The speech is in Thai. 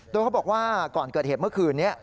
โดยเขาบอกว่าก่อนเกิดเหตุเมื่อคืนนี้